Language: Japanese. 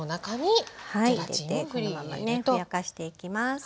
入れてこのままねふやかしていきます。